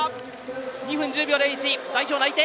２分１０秒０１代表内定！